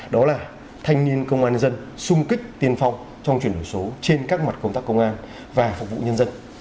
đó là thanh niên công an nhân dân xung kích tiên phong trong chuyển đổi số trên các mặt công tác công an và phục vụ nhân dân